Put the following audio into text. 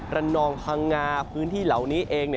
นองพังงาพื้นที่เหล่านี้เอง